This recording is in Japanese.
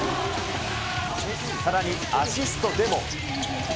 さらにアシストでも。